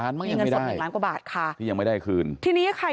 มีเงินสดหนึ่งล้านกว่าบาทค่ะที่ยังไม่ได้คืนทีนี้ค่ะ